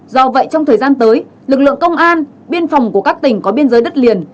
do vậy trong thời gian tới lực lượng công an biên phòng của các tỉnh có biên giới đất liền